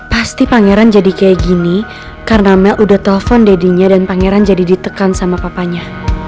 pasti pangeran jadi kayak gini karena mel udah telepon deddynya dan pangeran jadi ditekan sama papanya